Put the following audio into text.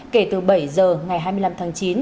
kể từ bảy giờ ngày hai mươi năm tháng chín